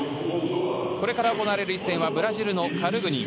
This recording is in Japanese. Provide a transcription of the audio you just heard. これから行われる一戦はブラジルのカルグニン。